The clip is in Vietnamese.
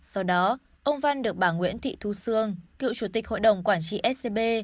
sau đó ông văn được bà nguyễn thị thu sương cựu chủ tịch hội đồng quản trị scb